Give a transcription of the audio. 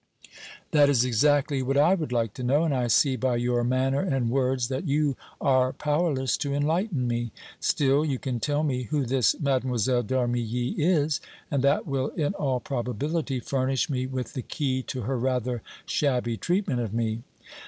"That is exactly what I would like to know, and I see by your manner and words that you are powerless to enlighten me. Still, you can tell me who this Mlle. d' Armilly is, and that will in all probability furnish me with the key to her rather shabby treatment of me."